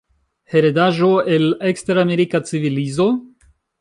Heredaĵo el eksteramerika civilizo?